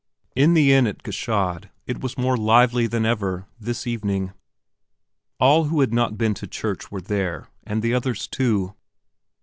In the inn at Gschaid it was more lively than ever, this evening. All who had not been to church were there, and the others too.